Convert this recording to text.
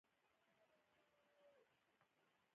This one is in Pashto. که یو لمر موږ وچوي نو ډیر لمرونه به څه وکړي.